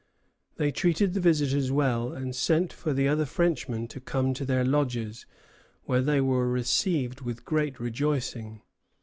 They treated the visitors well, and sent for the other Frenchmen to come to their lodges, where they were received with great rejoicing.